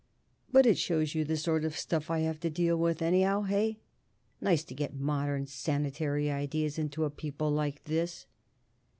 But it shows you the sort of stuff I have to deal with, anyhow, eh? Nice to get modern sanitary ideas into a people like this!"